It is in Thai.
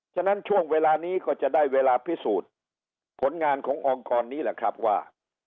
ฉะนั้นช่วงเวลานี้ก็จะได้เวลาพิสูจน์ผลงานขององค์กรนี้แหละครับว่า